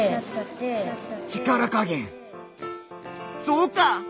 そうか！